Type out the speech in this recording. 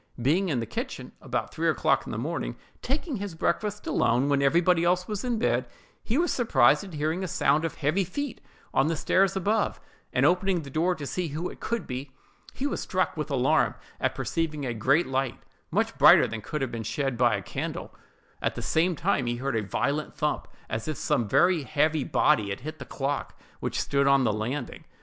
Being in the kitchen, about three o'clock in the morning, taking his breakfast alone, when everybody else was in bed, he was surprised at hearing a sound of heavy feet on the stairs above; and, opening the door to see who it could be, he was struck with alarm at perceiving a great light, much brighter than could have been shed by a candle, at the same time that he heard a violent thump, as if some very heavy body had hit the clock, which stood on the landing.